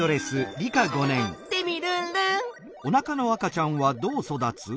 テミルンルン！